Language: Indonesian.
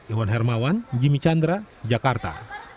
iwan hermawan jimmy chandra jakarta